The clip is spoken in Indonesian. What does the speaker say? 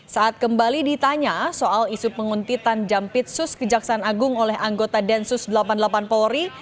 saat kembali ditanya soal isu penguntitan jampitsus kejaksaan agung oleh anggota densus delapan puluh delapan polri